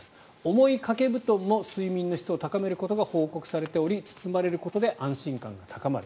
重い掛け布団も睡眠の質を高めることが報告されており包まれることで安心感が高まる。